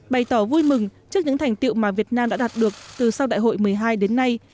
bày tỏ vui mừng trước những thành tiệu mà việt nam đã đạt được từ sau đại hội một mươi hai đến nay